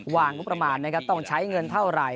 งบประมาณนะครับต้องใช้เงินเท่าไหร่